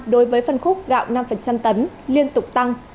đối với phân khúc gạo năm tấm liên tục tăng